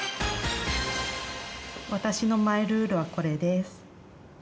私のマイルールはこれです。